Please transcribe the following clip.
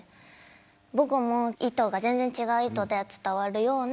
僕も意図が全然違う意図で伝わるような